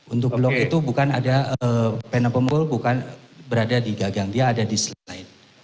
untuk glock itu pena pemukul bukan berada di gagang dia ada di slide